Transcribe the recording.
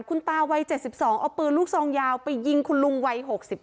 คุณตาวัย๗๒เอาปืนลูกซองยาวไปยิงคุณลุงวัย๖๙